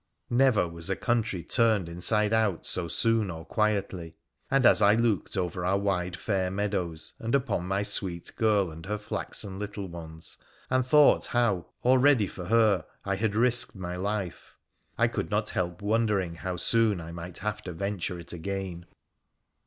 Never was a country turned inside out so soon or quietly ; and as I looked over our wide, fair meadows, and upon my sweet girl and her flaxen little ones, and thought how already for her I had risked my life, I could not help wondering how soon I might have to venture it again.